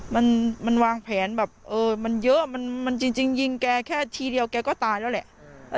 มันวางแผนแบบเออมันเยอะมันจริงยิงแกแค่ทีเดียวแกก็ตายแล้วแหละ